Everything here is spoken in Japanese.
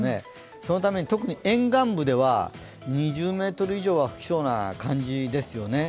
そのために特に沿岸部では２０メートル以上は吹きそうな感じです。